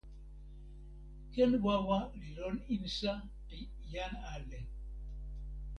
ken wawa li lon insa pi jan ale.